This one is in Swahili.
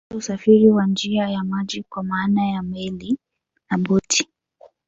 Hata usafiri wa njia ya maji kwa maana ya Meli na boti